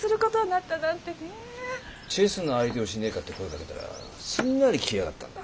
チェスの相手をしねえかって声かけたらすんなり来やがったんだ。